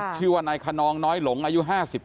ชื่อว่านายคนนองน้อยหลงอายุ๕๙